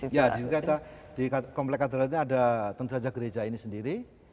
ya disitu ada di komplek katoliknya ada tentu saja gereja ini sendiri